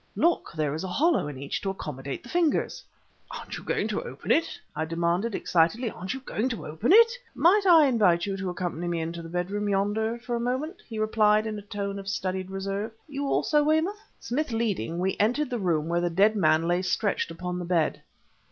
"Look! there is a hollow in each to accommodate the fingers!" "Aren't you going to open it?" I demanded excitedly "aren't you going to open it?" "Might I invite you to accompany me into the bedroom yonder for a moment?" he replied in a tome of studied reserve. "You also, Weymouth?" Smith leading, we entered the room where the dead man lay stretched upon the bed.